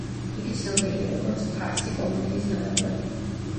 იგი ცნობილია, როგორც ფარსი კომედიის ნოვატორი.